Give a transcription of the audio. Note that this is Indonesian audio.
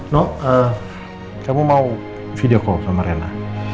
nok kamu mau video call sama rena